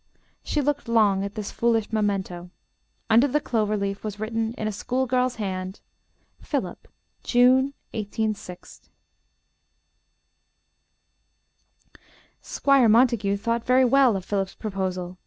She looked long at this foolish memento. Under the clover leaf was written in a school girl's hand "Philip, June, 186 ." Squire Montague thought very well of Philip's proposal.